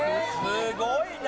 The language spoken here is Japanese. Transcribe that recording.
すごいな！